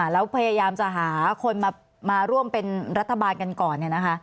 แล้วพยายามจะหาคนมาร่วมเป็นรัฐบาลกันก่อน